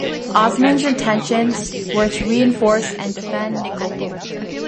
Osman's intentions were to reinforce and defend Nikopol.